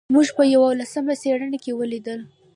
موږ په یوولسم څپرکي کې ولیدل.